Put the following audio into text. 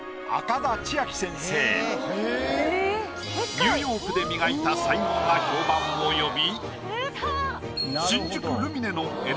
ニューヨークで磨いた才能が評判を呼び。